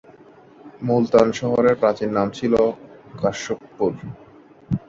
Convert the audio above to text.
মুলতান শহরের প্রাচীন নাম ছিল কাশ্যপপুর।